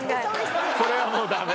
それはもうダメ。